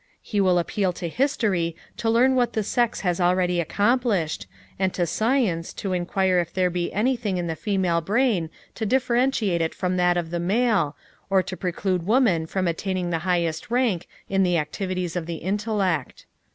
He will appeal to history to learn what the sex has already accomplished, and to science to inquire if there be anything in the female brain to differentiate it from that of the male, or to preclude woman from attaining the highest rank in the activities of the intellect.